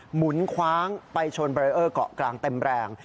หมุนคว้างไปชนเบรเออร์เกาะกลางเต็มแรง